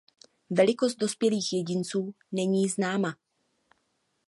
Velikost dospělých jedinců není známá.